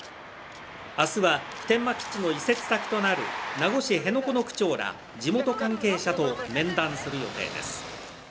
明日は普天間基地の移設先となる名護市辺野古の区長ら地元関係者と面談する予定です。